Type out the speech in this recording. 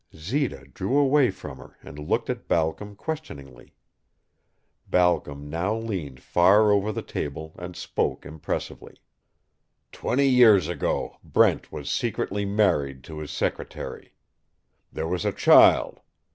Zita drew away from her and looked at Balcom questioningly. Balcom now leaned far over the table and spoke impressively. "Twenty years ago Brent was secretly married to his secretary. There was a child.